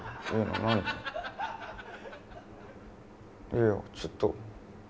いやいやちょっと。